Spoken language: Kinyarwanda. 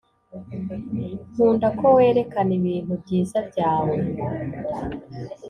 nkunda ko werekana ibintu byiza byawe